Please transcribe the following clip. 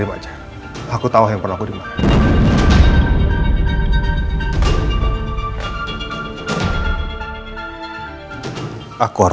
aku gak mau denger apa apa